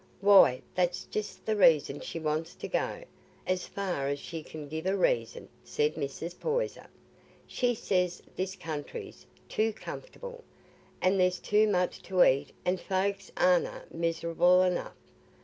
"Why, that's just the reason she wants to go, as fur as she can give a reason," said Mrs. Poyser. "She says this country's too comfortable, an' there's too much t' eat, an' folks arena miserable enough.